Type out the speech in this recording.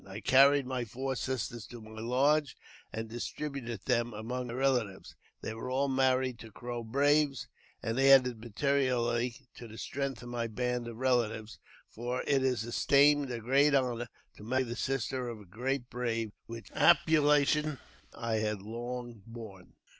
I carried my four sisters to my lodge, and dis ' tributed them among my relatives. They were all married to ; Crow braves, and added materially to the strength of my band of relatives ; for it is esteemed a great honour to marry the sister of a great brave, which appellation I had long borne.